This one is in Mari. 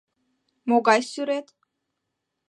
— Могай сӱрет?